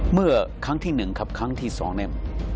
เมื่อครั้งที่หนึ่งครับครั้งที่สองนี่